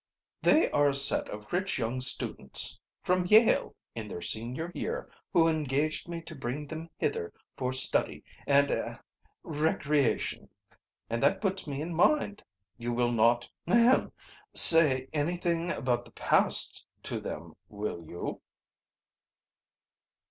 "They are a set of rich young students from Yale in their senior year who engaged me to bring them hither for study and er recreation. And that puts me in mind. You will not ahem say anything about the past to them, will you?"